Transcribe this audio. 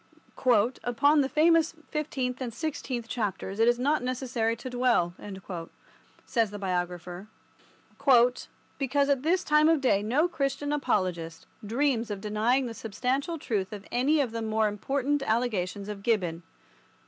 "Upon the famous fifteenth and sixteenth chapters it is not necessary to dwell," says the biographer, "because at this time of day no Christian apologist dreams of denying the substantial truth of any of the more important allegations of Gibbon.